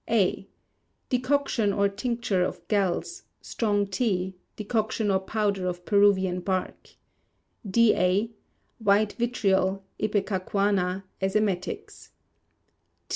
A. Decoction or tincture of galls; strong tea; decoction or powder of Peruvian bark. D.A. White vitriol, ipecacuanha, as emetics.